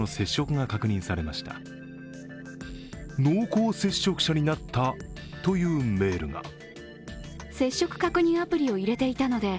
濃厚接触者になったというメールが。